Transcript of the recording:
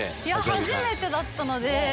初めてだったので。